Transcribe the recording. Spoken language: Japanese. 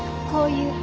こういう。